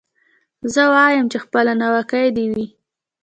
زه وايم چي خپله ناوکۍ دي وي